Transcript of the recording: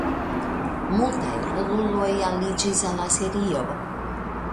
Multaj roluloj aliĝis al la serio.